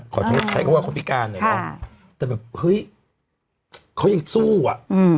ใช้คำว่าคนพิการหน่อยเนาะแต่แบบเฮ้ยเขายังสู้อ่ะอืม